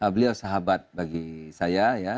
beliau sahabat bagi saya ya